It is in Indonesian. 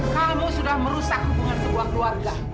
kamu sudah merusak hubungan sebuah keluarga